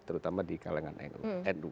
terutama di kalangan nu